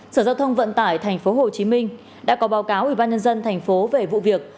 sở giao thông vận tải tp hcm đã có báo cáo ủy ban nhân dân tp về vụ việc